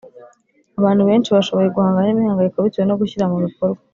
Abantu benshi bashoboye guhangana nimihangayiko bitewe no gushyira mu bikorwa